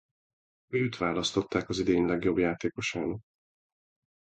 Őt választották az idény legjobb játékosának.